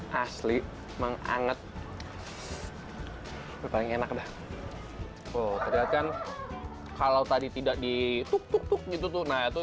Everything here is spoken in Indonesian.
hai asli menganget paling enak bahwa terlihat kan kalau tadi tidak ditutup gitu tuh nah itu